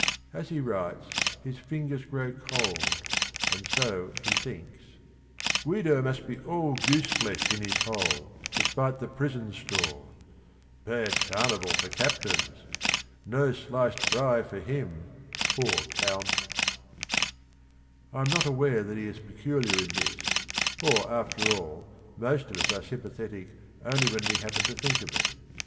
As he writes his fingers grow cold, and so he thinks : "Guido must be all goose flesh in his hole, Despite the prison straw: bad carnival For captives I no sliced fry for him, poor Count 1 " I am not aware that he is peculiar in this, for after all most of us are sympathetic only when we happen to think of it.